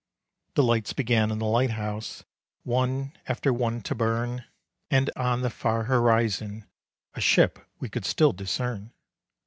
The lights began in the lighthouse One after one to burn, And on the far horizon A ship we could still discern.